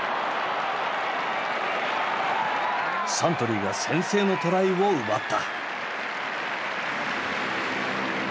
サントリーが先制のトライを奪った。